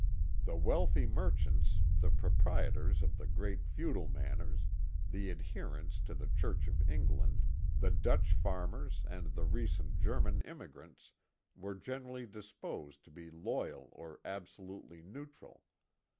The wealthy merchants, the proprietors of the great feudal manors, the adherents to the Church of England, the Dutch farmers and the recent German immigrants were generally disposed to be loyal or absolutely neutral.